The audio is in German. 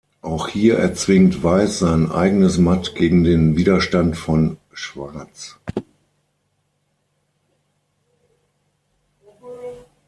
Auch hier erzwingt Weiß sein eigenes Matt gegen den Widerstand von Schwarz.